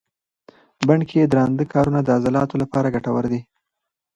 بڼ کې درانده کارونه د عضلاتو لپاره ګټور دي.